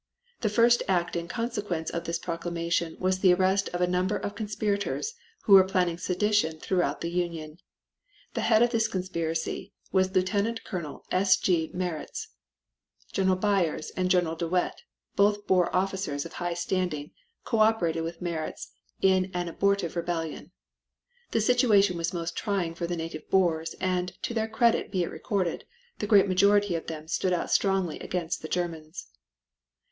The first act in consequence of this proclamation was the arrest of a number of conspirators who were planning sedition throughout the Union. The head of this conspiracy was Lieutenant Colonel S. G. Maritz. General Beyers and General De Wet, both Boer officers of high standing, co operated with Maritz in an abortive rebellion. The situation was most trying for the native Boers and, to their credit be it recorded, the great majority of them stood out strongly against the Germans.